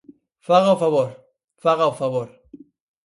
Faga o favor, faga o favor.